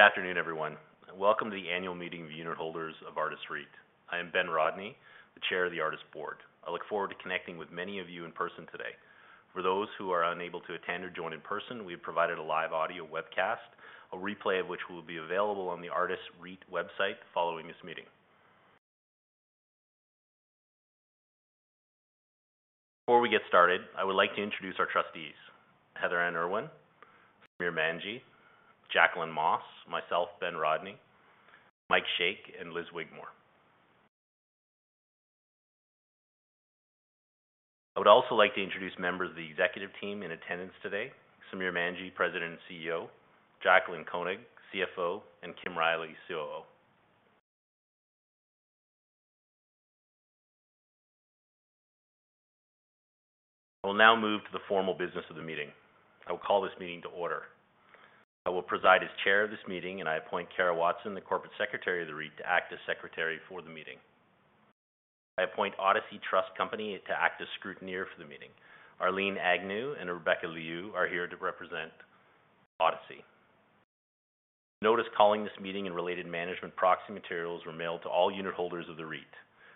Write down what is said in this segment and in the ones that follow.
Good afternoon, everyone. Welcome to the annual meeting of the unit holders of Artis REIT. I am Ben Rodney, the Chair of the Artis Board. I look forward to connecting with many of you in person today. For those who are unable to attend or join in person, we have provided a live audio webcast, a replay of which will be available on the Artis REIT website following this meeting. Before we get started, I would like to introduce our trustees: Heather N. Irwin, Samir Manji, Jaclyn Moss, myself, Ben Rodney, Mike Shake, and Liz Wigmore. I would also like to introduce members of the executive team in attendance today: Samir Manji, President and CEO; Jaclyn Koenig, CFO; and Kim Riley, COO. I will now move to the formal business of the meeting. I will call this meeting to order. I will preside as Chair of this meeting, and I appoint Kara Watson, the Corporate Secretary of the REIT, to act as Secretary for the meeting. I appoint Odyssey Trust Company to act as scrutineer for the meeting. Arlene Agnew and Rebecca Liu are here to represent Odyssey. Notice calling this meeting and related management proxy materials were mailed to all unitholders of the REIT.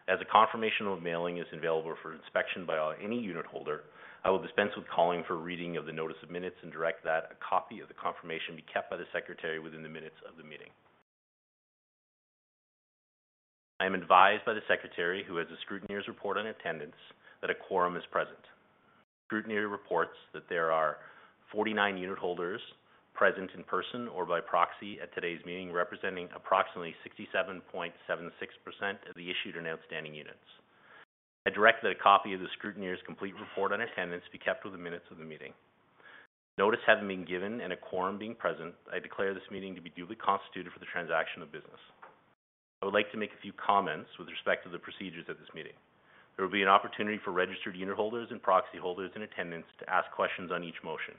As a confirmation of mailing is available for inspection by any unitholder, I will dispense with calling for a reading of the notice of minutes and direct that a copy of the confirmation be kept by the Secretary within the minutes of the meeting. I am advised by the Secretary, who has a scrutineer's report in attendance, that a quorum is present. The scrutineer reports that there are 49 unit holders present in person or by proxy at today's meeting, representing approximately 67.76% of the issued and outstanding units. I direct that a copy of the scrutineer's complete report in attendance be kept with the minutes of the meeting. With notice having been given and a quorum being present, I declare this meeting to be duly constituted for the transaction of business. I would like to make a few comments with respect to the procedures at this meeting. There will be an opportunity for registered unit holders and proxy holders in attendance to ask questions on each motion.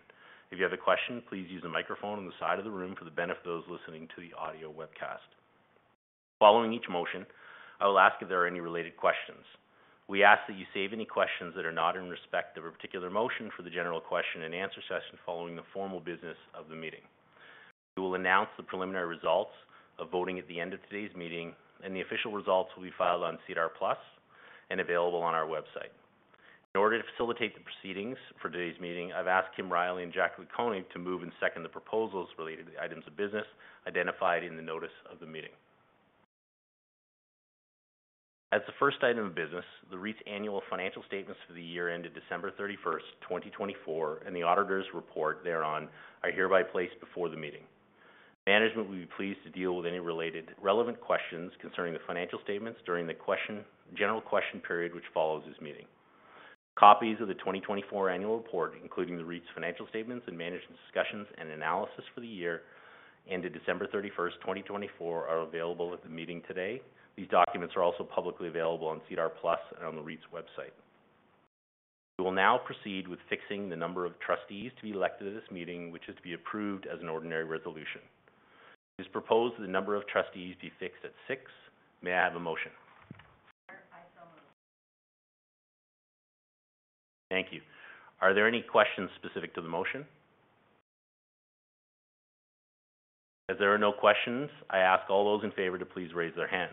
If you have a question, please use the microphone on the side of the room for the benefit of those listening to the audio webcast. Following each motion, I will ask if there are any related questions. We ask that you save any questions that are not in respect of a particular motion for the general question and answer session following the formal business of the meeting. We will announce the preliminary results of voting at the end of today's meeting, and the official results will be filed on SEDAR+ and available on our website. In order to facilitate the proceedings for today's meeting, I've asked Kim Riley and Jaclyn Koenig to move and second the proposals related to the items of business identified in the notice of the meeting. As the first item of business, the REIT's annual financial statements for the year ended December 31, 2024, and the auditor's report thereon are hereby placed before the meeting. Management will be pleased to deal with any relevant questions concerning the financial statements during the general question period which follows this meeting. Copies of the 2024 annual report, including the REIT's financial statements and management discussion and analysis for the year ended December 31, 2024, are available at the meeting today. These documents are also publicly available on SEDAR+ and on the REIT's website. We will now proceed with fixing the number of trustees to be elected at this meeting, which is to be approved as an ordinary resolution. It is proposed that the number of trustees be fixed at six. May I have a motion? Thank you. Are there any questions specific to the motion? As there are no questions, I ask all those in favor to please raise their hand.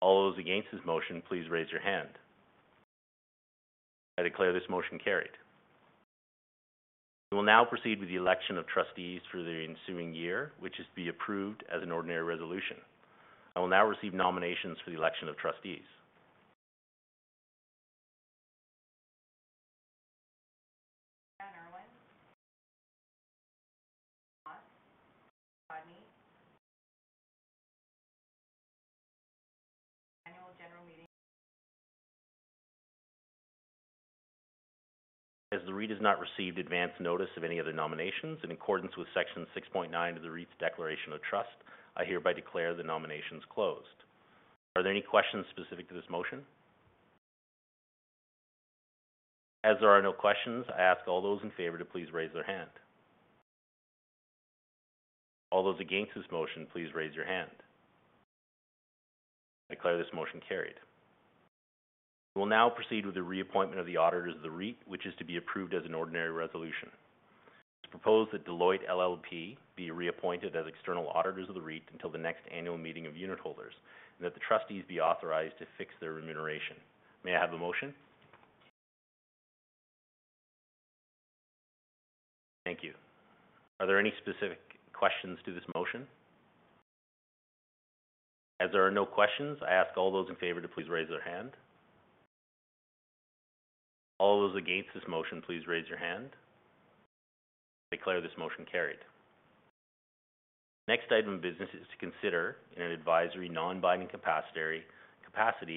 All those against this motion, please raise your hand. I declare this motion carried. We will now proceed with the election of trustees for the ensuing year, which is to be approved as an ordinary resolution. I will now receive nominations for the election of trustees. As the REIT has not received advance notice of any of the nominations, in accordance with Section 6.9 of the REIT's declaration of trust, I hereby declare the nominations closed. Are there any questions specific to this motion? As there are no questions, I ask all those in favor to please raise their hand. All those against this motion, please raise your hand. I declare this motion carried. We will now proceed with the reappointment of the auditors of the REIT, which is to be approved as an ordinary resolution. It is proposed that Deloitte LLP be reappointed as external auditors of the REIT until the next annual meeting of unit holders and that the trustees be authorized to fix their remuneration. May I have a motion? Thank you. Are there any specific questions to this motion? As there are no questions, I ask all those in favor to please raise their hand. All those against this motion, please raise your hand. I declare this motion carried. The next item of business is to consider in an advisory non-binding capacity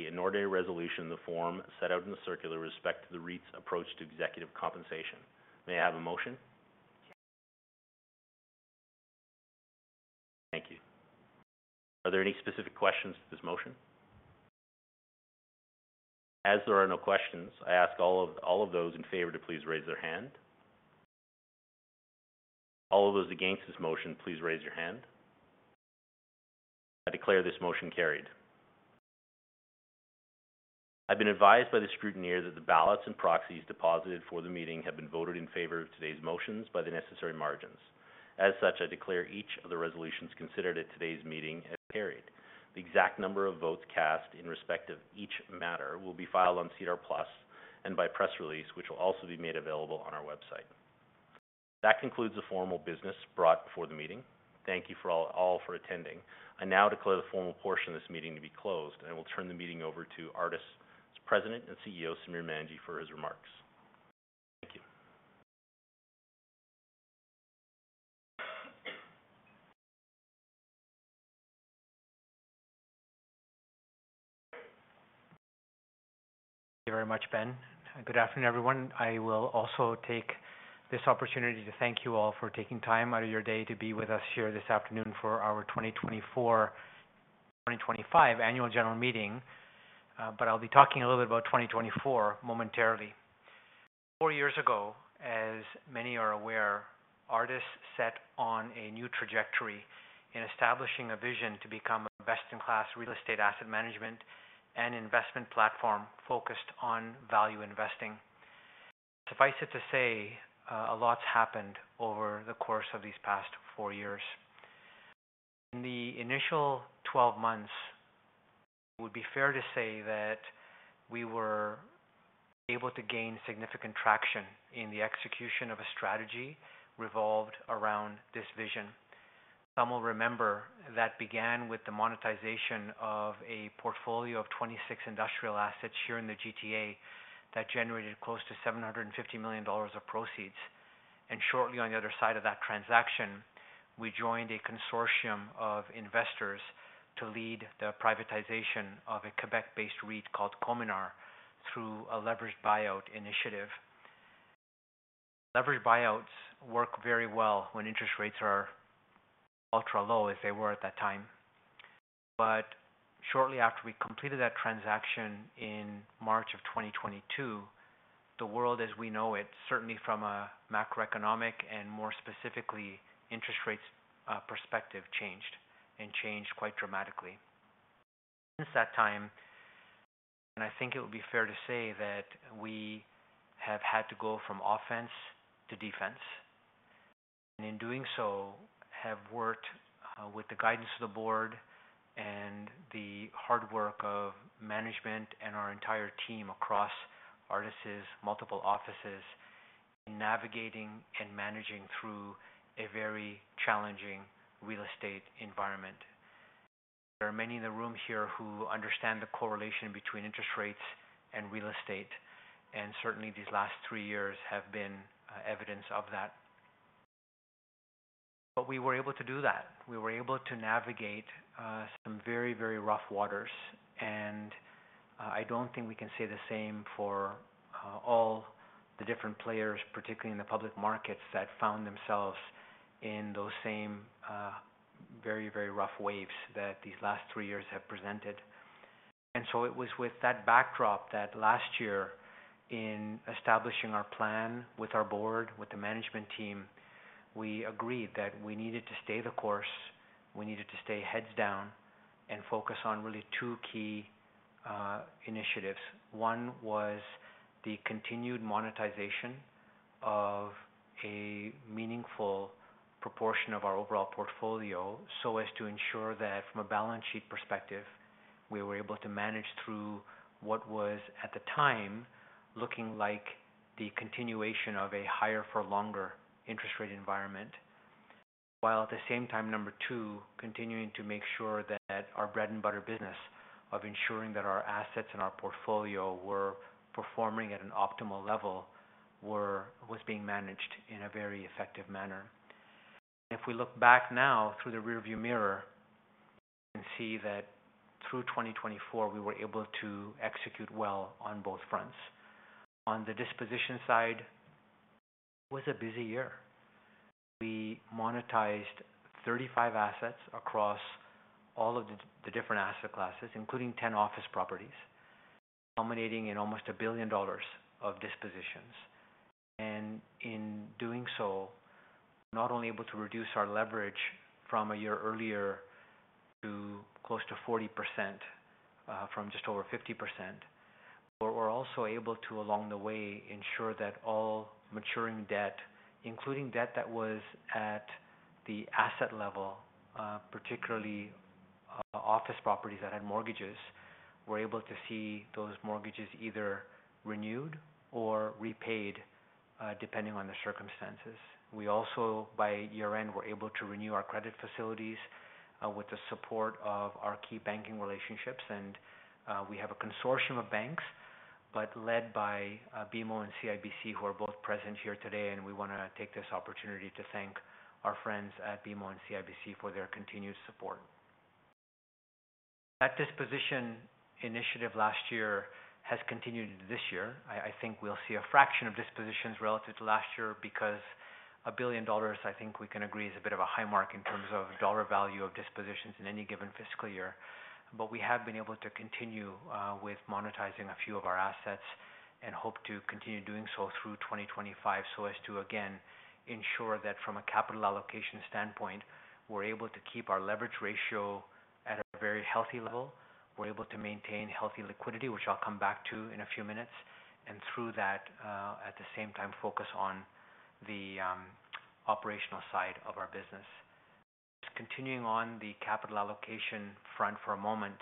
an ordinary resolution in the form set out in the circular with respect to the REIT's approach to executive compensation. May I have a motion? Thank you. Are there any specific questions to this motion? As there are no questions, I ask all of those in favor to please raise their hand. All of those against this motion, please raise your hand. I declare this motion carried. I've been advised by the scrutineer that the ballots and proxies deposited for the meeting have been voted in favor of today's motions by the necessary margins. As such, I declare each of the resolutions considered at today's meeting as carried. The exact number of votes cast in respect of each matter will be filed on SEDAR+ and by press release, which will also be made available on our website. That concludes the formal business brought before the meeting. Thank you all for attending. I now declare the formal portion of this meeting to be closed and will turn the meeting over to Artis President and CEO, Samir Manji, for his remarks. Thank you. Thank you very much, Ben. Good afternoon, everyone. I will also take this opportunity to thank you all for taking time out of your day to be with us here this afternoon for our 2024-2025 annual general meeting, but I'll be talking a little bit about 2024 momentarily. Four years ago, as many are aware, Artis set on a new trajectory in establishing a vision to become a best-in-class real estate asset management and investment platform focused on value investing. Suffice it to say, a lot's happened over the course of these past four years. In the initial 12 months, it would be fair to say that we were able to gain significant traction in the execution of a strategy revolved around this vision. Some will remember that began with the monetization of a portfolio of 26 industrial assets here in the Greater Toronto Area that generated close to 750 million dollars of proceeds. Shortly on the other side of that transaction, we joined a consortium of investors to lead the privatization of a Quebec-based REIT called Cominar through a leveraged buyout initiative. Leveraged buyouts work very well when interest rates are ultra low, as they were at that time. Shortly after we completed that transaction in March of 2022, the world as we know it, certainly from a macroeconomic and more specifically interest rates perspective, changed and changed quite dramatically. Since that time, and I think it would be fair to say that we have had to go from offense to defense. In doing so, have worked with the guidance of the board and the hard work of management and our entire team across Artis's multiple offices in navigating and managing through a very challenging real estate environment. There are many in the room here who understand the correlation between interest rates and real estate, and certainly these last three years have been evidence of that. We were able to do that. We were able to navigate some very, very rough waters. I do not think we can say the same for all the different players, particularly in the public markets, that found themselves in those same very, very rough waves that these last three years have presented. It was with that backdrop that last year, in establishing our plan with our board, with the management team, we agreed that we needed to stay the course, we needed to stay heads down, and focus on really two key initiatives. One was the continued monetization of a meaningful proportion of our overall portfolio so as to ensure that from a balance sheet perspective, we were able to manage through what was at the time looking like the continuation of a higher-for-longer interest rate environment, while at the same time, number two, continuing to make sure that our bread-and-butter business of ensuring that our assets and our portfolio were performing at an optimal level was being managed in a very effective manner. If we look back now through the rearview mirror, we can see that through 2024, we were able to execute well on both fronts. On the disposition side, it was a busy year. We monetized 35 assets across all of the different asset classes, including 10 office properties, culminating in almost 1 billion dollars of dispositions. In doing so, we were not only able to reduce our leverage from a year earlier to close to 40%, from just over 50%, but we were also able to, along the way, ensure that all maturing debt, including debt that was at the asset level, particularly office properties that had mortgages, we were able to see those mortgages either renewed or repaid depending on the circumstances. By year-end, we were able to renew our credit facilities with the support of our key banking relationships. We have a consortium of banks, led by BMO and CIBC, who are both present here today. We want to take this opportunity to thank our friends at BMO and CIBC for their continued support. That disposition initiative last year has continued this year. I think we'll see a fraction of dispositions relative to last year because 1 billion dollars, I think we can agree, is a bit of a high mark in terms of dollar value of dispositions in any given fiscal year. We have been able to continue with monetizing a few of our assets and hope to continue doing so through 2025 so as to, again, ensure that from a capital allocation standpoint, we're able to keep our leverage ratio at a very healthy level. We're able to maintain healthy liquidity, which I'll come back to in a few minutes, and through that, at the same time, focus on the operational side of our business. Continuing on the capital allocation front for a moment,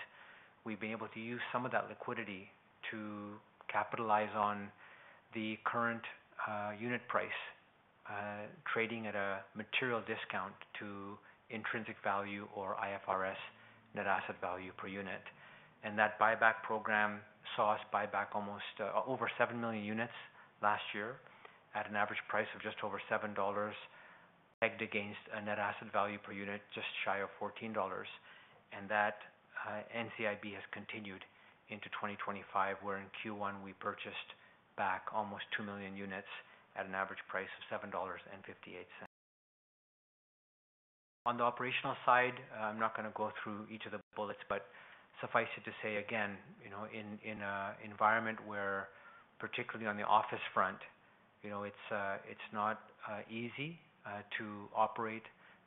we've been able to use some of that liquidity to capitalize on the current unit price trading at a material discount to intrinsic value or IFRS net asset value per unit. That buyback program saw us buy back almost over 7 million units last year at an average price of just over 7 dollars, pegged against a net asset value per unit just shy of 14 dollars. That NCIB has continued into 2025, where in Q1, we purchased back almost 2 million units at an average price of 7.58 dollars. On the operational side, I'm not going to go through each of the bullets, but suffice it to say, again, in an environment where, particularly on the office front, it's not easy to operate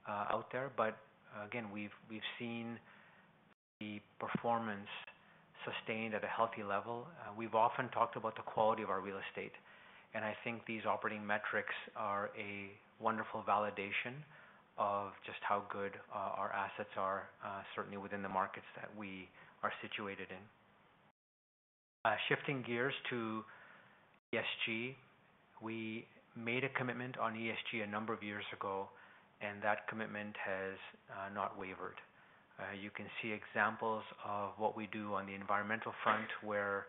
out there. Again, we've seen the performance sustained at a healthy level. We've often talked about the quality of our real estate, and I think these operating metrics are a wonderful validation of just how good our assets are, certainly within the markets that we are situated in. Shifting gears to ESG, we made a commitment on ESG a number of years ago, and that commitment has not wavered. You can see examples of what we do on the environmental front, where,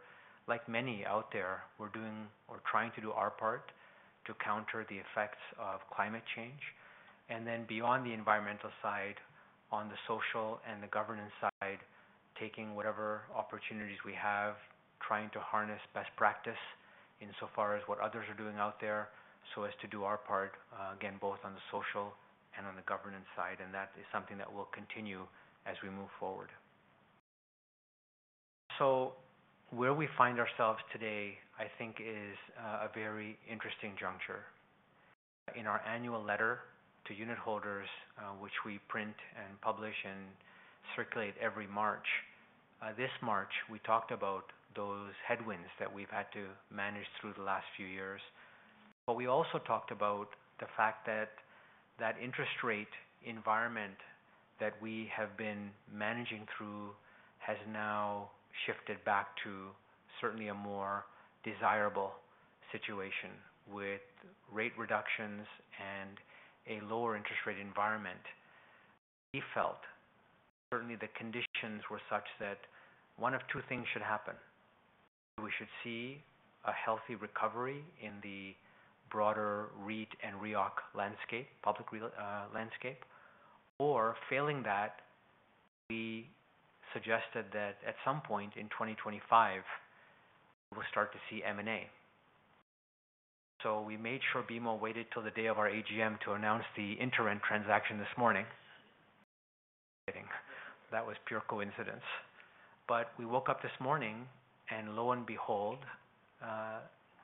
like many out there, we're doing or trying to do our part to counter the effects of climate change. Beyond the environmental side, on the social and the governance side, taking whatever opportunities we have, trying to harness best practice insofar as what others are doing out there so as to do our part, again, both on the social and on the governance side. That is something that will continue as we move forward. Where we find ourselves today, I think, is a very interesting juncture. In our annual letter to unit holders, which we print and publish and circulate every March, this March, we talked about those headwinds that we've had to manage through the last few years. We also talked about the fact that that interest rate environment that we have been managing through has now shifted back to certainly a more desirable situation with rate reductions and a lower interest rate environment. We felt certainly the conditions were such that one of two things should happen. We should see a healthy recovery in the broader REIT and REOC landscape, public landscape. Or failing that, we suggested that at some point in 2025, we will start to see M&A. We made sure BMO waited till the day of our AGM to announce the interim transaction this morning. That was pure coincidence. We woke up this morning, and lo and behold,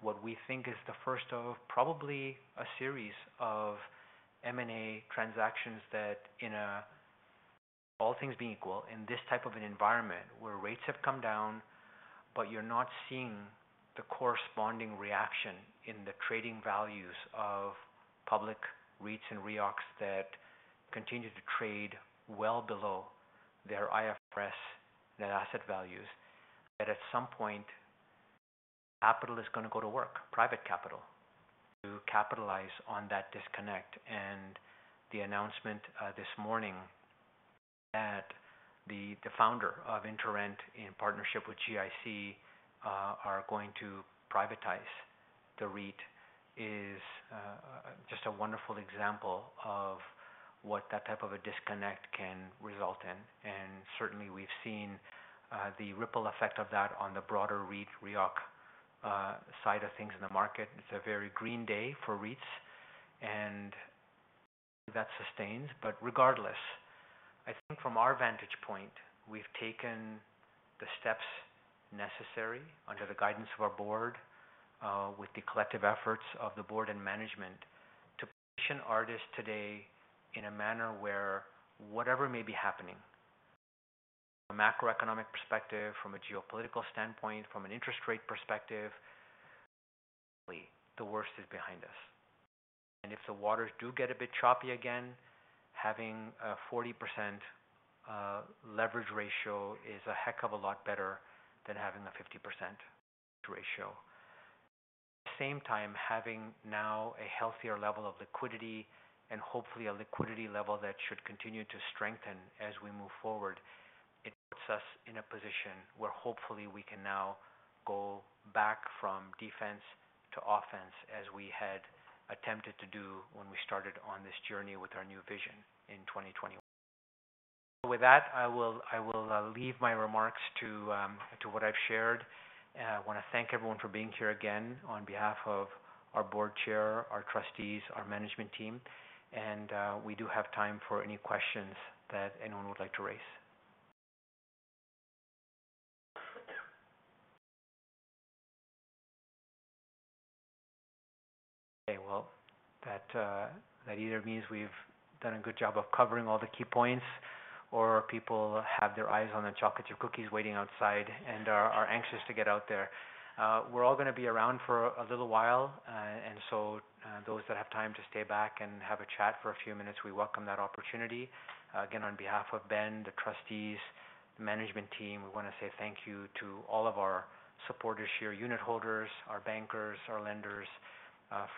what we think is the first of probably a series of M&A transactions that, all things being equal, in this type of an environment where rates have come down, but you're not seeing the corresponding reaction in the trading values of public REITs and REOCs that continue to trade well below their IFRS net asset values, that at some point, capital is going to go to work, private capital, to capitalize on that disconnect. The announcement this morning that the founder of Interrent, in partnership with GIC, are going to privatize the REIT is just a wonderful example of what that type of a disconnect can result in. Certainly, we've seen the ripple effect of that on the broader REIT-REOC side of things in the market. It's a very green day for REITs, and certainly that sustains. Regardless, I think from our vantage point, we've taken the steps necessary under the guidance of our board, with the collective efforts of the board and management, to position Artis today in a manner where whatever may be happening, from a macroeconomic perspective, from a geopolitical standpoint, from an interest rate perspective, the worst is behind us. If the waters do get a bit choppy again, having a 40% leverage ratio is a heck of a lot better than having a 50% leverage ratio. At the same time, having now a healthier level of liquidity and hopefully a liquidity level that should continue to strengthen as we move forward, it puts us in a position where hopefully we can now go back from defense to offense as we had attempted to do when we started on this journey with our new vision in 2021. With that, I will leave my remarks to what I've shared. I want to thank everyone for being here again on behalf of our Board Chair, our trustees, our management team. We do have time for any questions that anyone would like to raise. Okay. That either means we've done a good job of covering all the key points, or people have their eyes on the chocolate chip cookies waiting outside and are anxious to get out there. We're all going to be around for a little while. Those that have time to stay back and have a chat for a few minutes, we welcome that opportunity. Again, on behalf of Ben, the trustees, the management team, we want to say thank you to all of our supporters here, unit holders, our bankers, our lenders,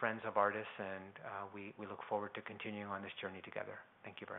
friends of Artis. We look forward to continuing on this journey together. Thank you very much.